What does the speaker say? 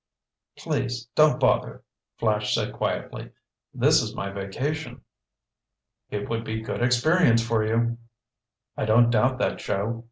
"Please don't bother," Flash said quietly. "This is my vacation." "It would be good experience for you." "I don't doubt that, Joe.